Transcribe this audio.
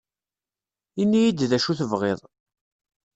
Ini-yi-d d acu tebɣiḍ